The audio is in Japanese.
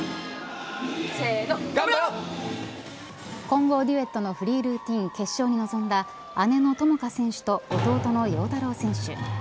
混合デュエットのフリールーティン決勝に臨んだ姉の友花選手と弟の陽太郎選手。